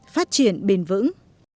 phát triển bền vững